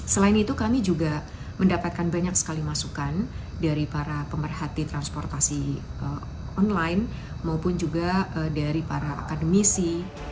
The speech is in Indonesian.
selain itu kami juga mendapatkan banyak sekali masukan dari para pemerhati transportasi online maupun juga dari para akademisi